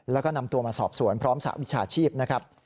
แล้วก็นำตัวมาสอบสวนพร้อมสหวิชาชีพนะครับ